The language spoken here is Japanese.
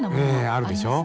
ええあるでしょ。